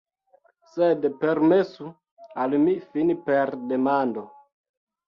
Sed permesu al mi fini per demando.